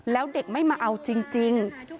แล้วเด็กไม่มาเอาจริง